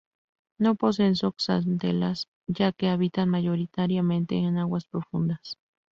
No poseen zooxantelas, ya que habitan mayoritariamente en aguas profundas.